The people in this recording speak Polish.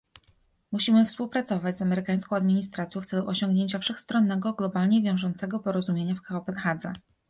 Musimy współpracować z amerykańską administracją w celu osiągnięcia wszechstronnego, globalnie wiążącego porozumienia w Kopenhadze